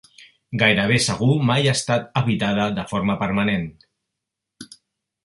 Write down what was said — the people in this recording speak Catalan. Gairebé segur mai ha estat habitada de forma permanent.